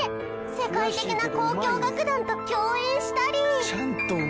世界的な交響楽団と共演したり。